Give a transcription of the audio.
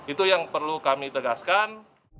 itu yang perlu kami tegaskan